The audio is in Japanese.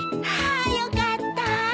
あーよかった。